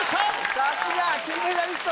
さすが金メダリスト